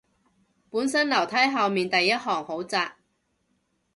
本身樓梯後面第一行好窄